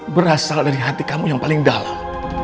berasal dari hati kamu yang paling dalam